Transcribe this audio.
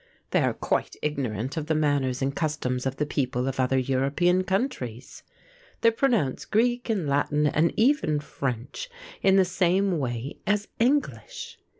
They are quite ignorant of the manners and customs of the people of other European countries. They pronounce Greek and Latin and even French in the same way as English.